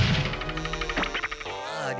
あれ？